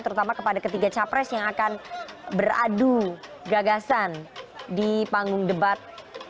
terutama kepada ketiga capres yang akan beradu gagasan di panggung debat pada pukul sembilan belas waktu indonesia barat